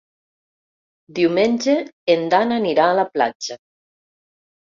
Diumenge en Dan anirà a la platja.